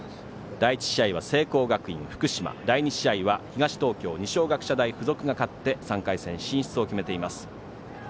第１試合は聖光学院、福島第２試合は東東京、二松学舎大付属が勝って３回戦進出を決めています。